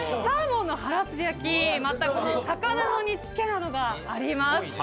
サーモンのハラス焼また魚の煮付けなどがあります。